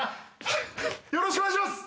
よろしくお願いします！